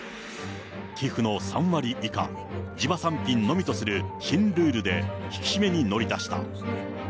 寄付の３割以下、地場産品のみとする新ルールで引き締めに乗り出した。